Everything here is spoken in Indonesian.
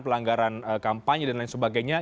pelanggaran kampanye dan lain sebagainya